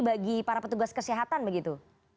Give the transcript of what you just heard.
bagi para petugas kesehatan begitu